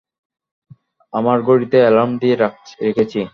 আমার ঘড়িতে এলার্ম দিয়ে রেখেছি।